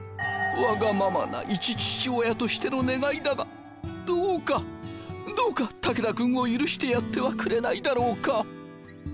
わがままないち父親としての願いだがどうかどうか武田君を許してやってはくれないだろうか。